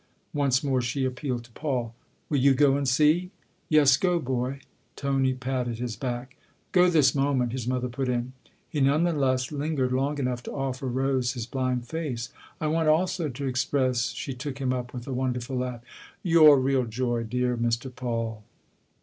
Once more she appealed to Paul. " Will you go and see?" " Yes, go, boy." Tony patted his back. " Go this moment," his mother put in. He none the less lingered long enough to offer Rose his blind face. " I want also to express " She took him up with a wonderful laugh. " Your real joy, dear Mr. Paul